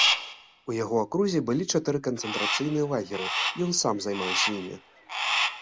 У яго акрузе былі чатыры канцэнтрацыйныя лагеры, і ён сам займаўся імі.